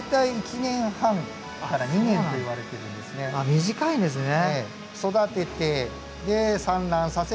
短いんですね。